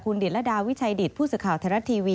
คุณดิจรฎาวิชัยดิจผู้ศึกภาวแทรกทีวี